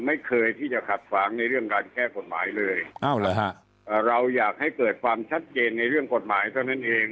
ไม่เคยที่จะขัดขวางในเรื่องการแก้กฎหมายเลยฮะเราอยากให้เกิดความชัดเจนในเรื่องกฎหมายเท่านั้นเอง